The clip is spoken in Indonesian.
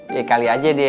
ya kali aja deh